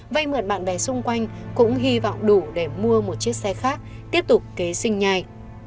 vay mượn bạn bè xung quanh cũng hy vọng đủ để mua một chiếc xe khác tiếp tục kế sinh nhai